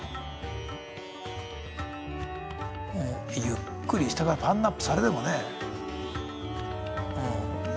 ゆっくり下からパンアップされてもね。